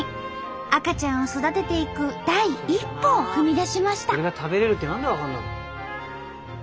赤ちゃんを育てていく第一歩を踏み出しました。